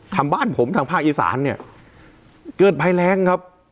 ทำบ้านผมทางภาคอีสานเนี่ยเกิดภัยแรงครับ